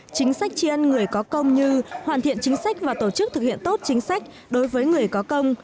chính sách tri ân người có công như hoàn thiện chính sách và tổ chức thực hiện tốt chính sách đối với người có công